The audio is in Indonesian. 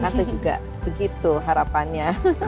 tante juga begitu harapannya